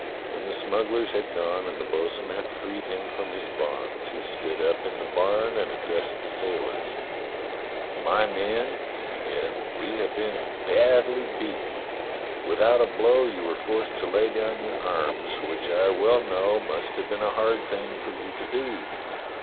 When the smugglers had gone and the bo'sun had freed him from his bonds, he stood up in the barn and addressed the sailors : "My men," he began, "we have been badly beaten. Without a blow you were forced to lay down your arms, which I well know must have been a hard thing for you to do.